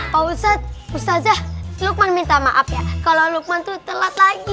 pak ustadz ustazah lukman minta maaf ya kalau lukman tuh telat lagi